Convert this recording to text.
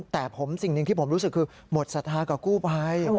แต่สิ่งหนึ่งที่ผมรู้สึกคือหมดศรัทธากับกู้ภัย